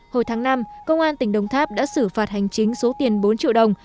hồi tháng năm công an tỉnh đồng tháp đã xử phạt hành chính số tiền bốn triệu đồng